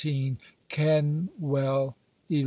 Kenwell, 11.